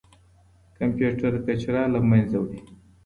کمپيوټر کچره له منځه وړي.